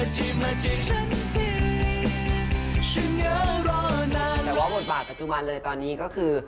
แต่ว่าบทบาทปัจจุบันเลยตอนนี้ก็คือ